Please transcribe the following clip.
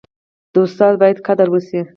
د استاد باید قدر وسي.